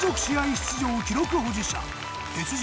出場記録保持者鉄人